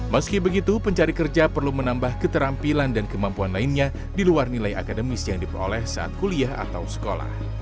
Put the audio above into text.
meski begitu pencari kerja perlu menambah keterampilan dan kemampuan lainnya di luar nilai akademis yang diperoleh saat kuliah atau sekolah